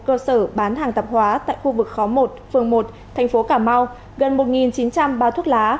cơ sở bán hàng tạp hóa tại khu vực khóm một phường một thành phố cà mau gần một chín trăm linh bao thuốc lá